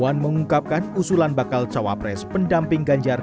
puan mengungkapkan usulan bakal cawapres pendamping ganjar